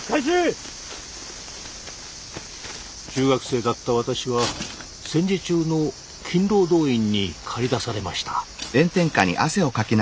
中学生だった私は戦時中の勤労動員に駆り出されました。